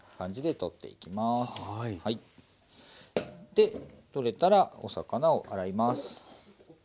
で取れたらお魚を洗います。